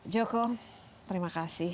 joko terima kasih